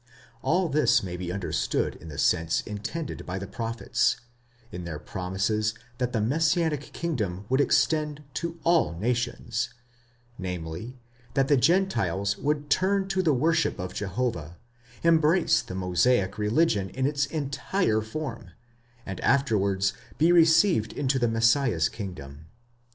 All this may be understood in the sense intended by the prophets, in their promises that the messianic kingdom would extend to all nations; namely, that the Gentiles would turn to the worship of Jehovah, embrace the Mosaic religion in its entire form, and afterwards be received into the Messiah's kingdom.